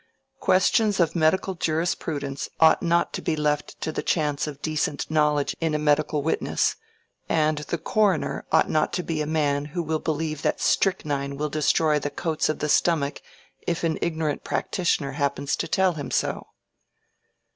"Questions of medical jurisprudence ought not to be left to the chance of decent knowledge in a medical witness, and the coroner ought not to be a man who will believe that strychnine will destroy the coats of the stomach if an ignorant practitioner happens to tell him so."